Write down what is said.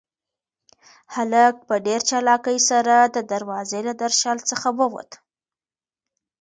هلک په ډېر چالاکۍ سره د دروازې له درشل څخه ووت.